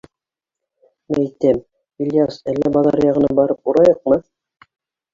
Мәйтәм, Ильяс, әллә баҙар яғына барып урайыҡмы?